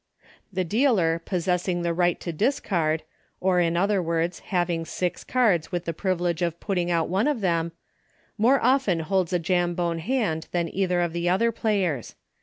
The dealer, possessing the right to dis card, or, in other words, having six cards with the privilege of putting out one of them, more often holds a Jambone hand than either 68 EUCHRE. of the other players.